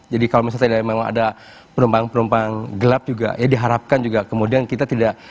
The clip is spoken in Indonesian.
jadi kalau misalnya memang ada penumpang penumpang gelap juga ya diharapkan juga kemudian kita tidak